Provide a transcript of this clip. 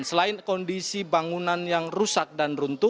selain kondisi bangunan yang rusak dan runtuh